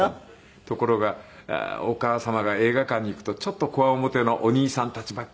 ところがお母様が映画館に行くとちょっとこわ面のお兄さんたちばっかりが。